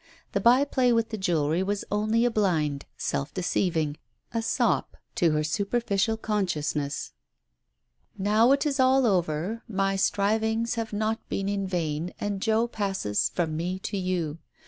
The by play with the jewellery was only a blind — self deceiving, a sop to her superficial consciousness. Digitized by Google THE OPERATION 53 "Now it is all over, my strivings have not been in vain, and Joe passes from me to you.